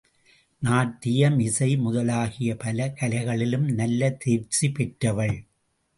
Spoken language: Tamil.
நாட்டியம், இசை முதலாகிய பல கலைகளிலும் நல்ல தேர்ச்சி பெற்றவள்.